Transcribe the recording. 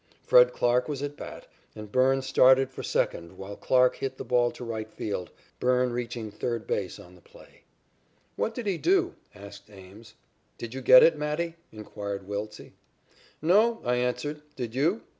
Fred Clarke was at bat and Byrne started for second while Clarke hit the ball to right field, Byrne reaching third base on the play. "What did he do?" asked Ames. "Did you get it, Matty?" inquired Wiltse. "No," I answered. "Did you?"